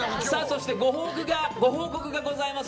そしてご報告がございます。